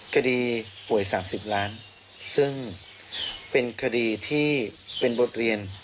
คดีป่วย๓๐ล้านซึ่งเป็นคดีที่เป็นบทเรียน